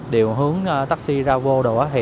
điều hướng taxi ra vô